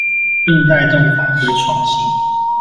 並帶動法規創新